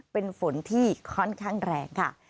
เป็นฝนที่ค่อนข้างแรงค่ะ